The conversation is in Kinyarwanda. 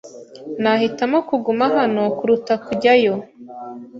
Nahitamo kuguma hano kuruta kujyayo.